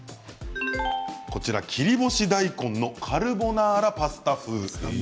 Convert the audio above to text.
切り干し大根のカルボナーラパスタ風。